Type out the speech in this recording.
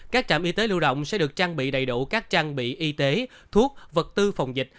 các trạm y tế lưu động sẽ được trang bị đầy đủ các trang bị y tế thuốc vật tư phòng dịch